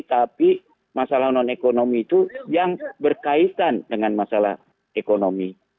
tapi masalah non ekonomi itu yang berkaitan dengan masalah ekonomi